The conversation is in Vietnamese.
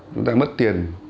chúng ta mất tiền